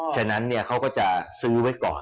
ฉะนั้นเขาก็จะซื้อไว้ก่อน